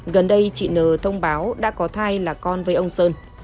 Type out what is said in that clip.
gần đây chị nờ thông báo đã có thai là con với ông sơn